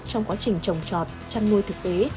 trong quá trình trồng trọt chăn nuôi thực tế